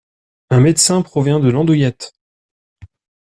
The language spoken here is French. Un médecin provient de l'andouillette!